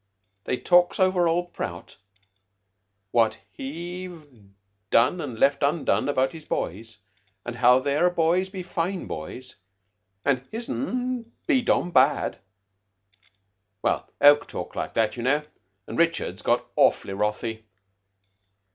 They talks over old Prout what he've done an' left undone about his boys. An' how their boys be fine boys, an' his'n be dom bad.' Well, Oke talked like that, you know, and Richards got awf'ly wrathy.